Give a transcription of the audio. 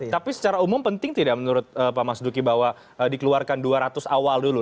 tapi secara umum penting tidak menurut pak mas duki bahwa dikeluarkan dua ratus awal dulu